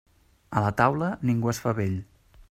A la taula, ningú es fa vell.